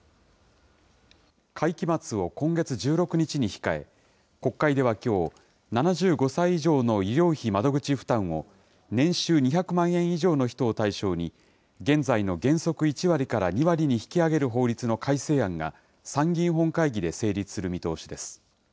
会期末を今月１６日に控え、国会ではきょう、７５歳以上の医療費窓口負担を、年収２００万円以上の人を対象に、現在の原則１割から２割に引き上げる法律の改正案が、参議院本会議で成立する見通しです。